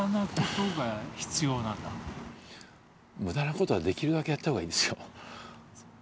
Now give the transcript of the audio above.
無駄なことはできるだけやった方がいいですよ。